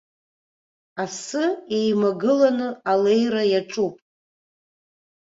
Асы еимагыланы алеира иаҿуп.